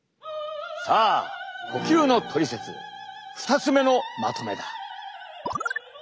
さあ呼吸のトリセツ２つ目のまとめだ。